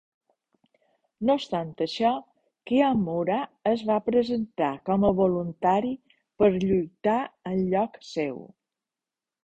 No obstant això, Kimura es va presentar com a voluntari per lluitar en lloc seu.